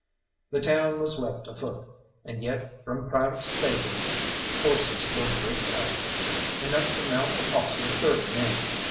The town was left afoot, and yet from private stables horses were raked up, enough to mount a posse of thirty men.